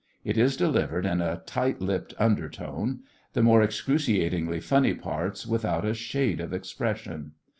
It is delivered in a tight lipped undertone; the more excruciatingly funny parts without a shade of expression.